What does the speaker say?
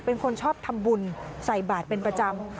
เป็นคนชอบทำบุญใส่บาทเป็นประจำ